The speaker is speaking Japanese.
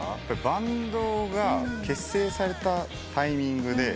バンドが結成されたタイミングで。